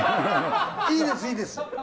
いいです、いいです。